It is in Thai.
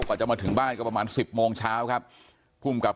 ก็จะมาถึงบ้านก็ประมาณ๑๐โมงเช้านะครับ